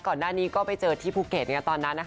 ก่อนหน้านี้ก็ไปเจอที่ภูเก็ตตอนนั้น